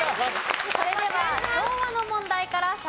それでは昭和の問題から再開です。